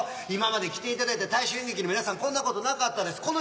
今まで来ていただいた大衆演劇の皆さんこんなことなかったです。